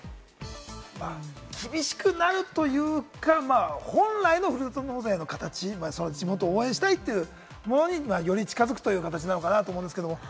厳しくなるというか、本来のふるさと納税の形、地元を応援したいというものにより近づくという形なのかなと思うんですけれども。